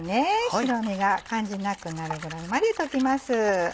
白身が感じなくなるぐらいまで溶きます。